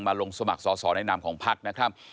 มาลงสมัครสอสอในหนามของภักดิ์นะครับ